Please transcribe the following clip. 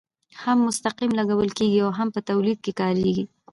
هم مستقیم لګول کیږي او هم په تولید کې کاریږي.